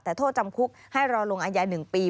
แต่โทษจำคุกให้รอลงอายา๑ปี